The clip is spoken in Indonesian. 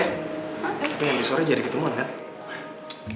tapi nyambil sore jadi ke duluan kan